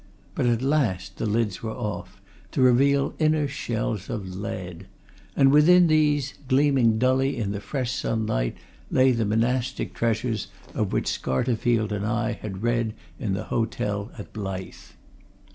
But at last the lids were off to reveal inner shells of lead. And within these, gleaming dully in the fresh sunlight lay the monastic treasures of which Scarterfield and I had read in the hotel at Blyth.